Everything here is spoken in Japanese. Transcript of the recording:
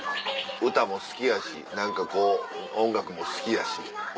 歌も好きやし何かこう音楽も好きやしお